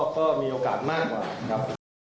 ก็มีโอกาสมากกว่าครับ